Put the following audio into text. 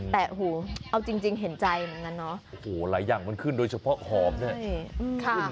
แต่หูเอาจริงจริงเห็นใจเหมือนกันเนาะโอ้โหหลายอย่างมันขึ้นโดยเฉพาะหอมเนี่ย